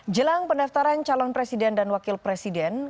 jelang pendaftaran calon presiden dan wakil presiden